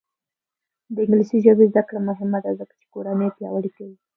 د انګلیسي ژبې زده کړه مهمه ده ځکه چې کورنۍ پیاوړې کوي.